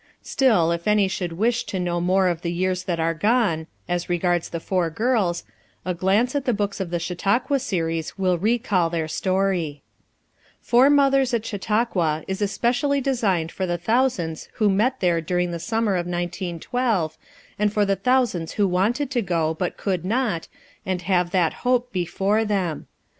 Still if any should wish to know more of the years that are gone, — as regards the "Four Girls" — a glance at the books of the "Chau tauqua Series 5 ' will recall their story, "Four Mothers at Chautauqua" is especially designed for the thousands who met there dur ing the summer of 1912, and for the thousands who wanted to go, but could not, and have that hope before them.